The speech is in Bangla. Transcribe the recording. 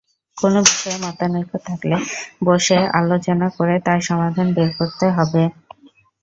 কোনো বিষয়ে মতানৈক্য থাকলে বসে আলোচনা করে তার সমাধান বের করতে হবে।